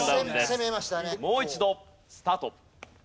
もう一度スタート。